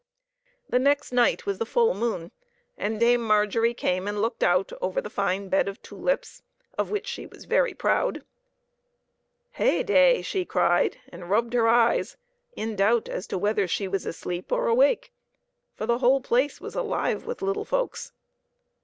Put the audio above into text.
The next night was full moon, and Dame Margery came and looked out over the fine bed of tulips, of which she was very proud. " Hey day !" she cried, and rubbed her eyes, in doubt as to whether she was asleep or awake, for the whole place was alive with little folks.